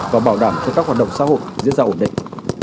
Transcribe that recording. và bảo đảm cho các hoạt động xã hội diễn ra ổn định